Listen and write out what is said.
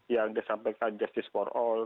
yang disampaikan justice for all